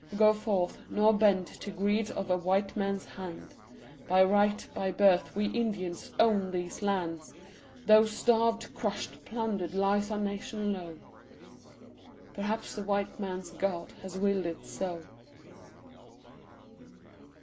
Go forth, nor bend to greed of white men's hands, By right, by birth we Indians own these lands, Though starved, crushed, plundered, lies our nation low... Perhaps the white man's God has willed it so.